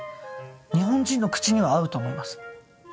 日本人の口には合うと思います。